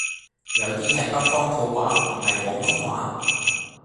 有 D 係北方土話唔係廣東話